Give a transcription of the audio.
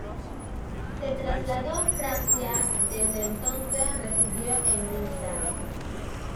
Se trasladó a Francia, desde entonces residió en Niza.